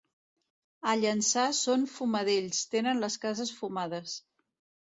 A Llançà són fumadells, tenen les cases fumades.